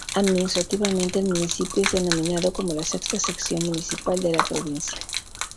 Administrativamente, el municipio es denominado como la "sexta sección municipal" de la provincia.